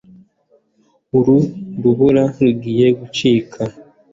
Uru rubura rugiye gucika